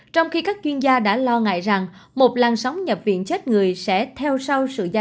trong khi các chuyên gia đã lo ngại rằng một làn sóng nhập viện chết người sẽ theo sau sự gia tăng